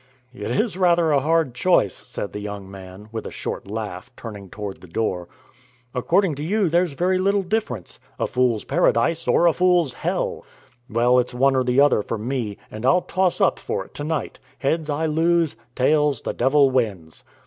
"It is rather a hard choice," said the young man, with a short laugh, turning toward the door. "According to you there's very little difference a fool's paradise or a fool's hell! Well, it's one or the other for me, and I'll toss up for it to night: heads, I lose; tails, the devil wins.